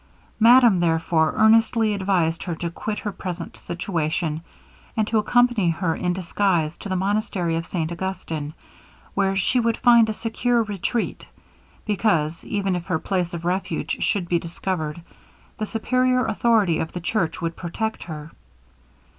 Madame, therefore, earnestly advised her to quit her present situation, and to accompany her in disguise to the monastery of St Augustin, where she would find a secure retreat; because, even if her place of refuge should be discovered, the superior authority of the church would protect her.